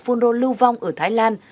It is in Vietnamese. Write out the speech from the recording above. phun rô lưu vong ở thái lan